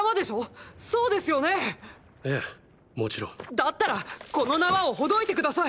だったらこの縄をほどいて下さい！